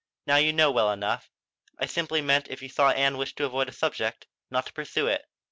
"Now you know well enough! I simply meant if you saw Ann wished to avoid a subject, not to pursue it."